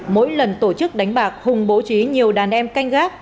mỗi lần tổ chức đánh bạc hùng bố trí nhiều đàn em canh gác